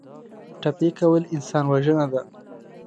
ټپي کول انسان وژنه ده.